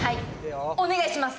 お願いします。